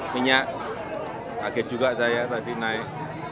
minyak kaget juga saya tadi naik